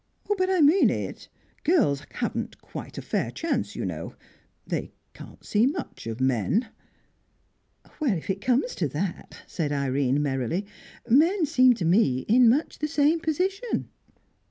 "But I mean it. Girls haven't quite a fair chance, you know. They can't see much of men." "If it comes to that," said Irene merrily, "men seem to me in much the same position."